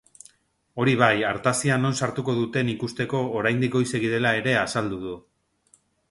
Hori bai artazia non sartuko duten ikusteko oraindik goizegi dela ere azaldu du.